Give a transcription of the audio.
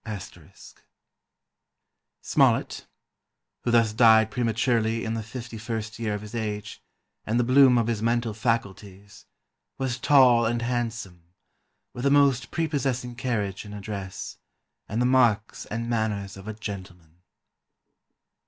*] "Smollett, who thus died prematurely in the fifty first year of his age, and the bloom of his mental faculties, was tall and handsome, with a most prepossessing carriage and address, and the marks and manners of a gentleman."